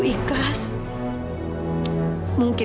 nama suami ibu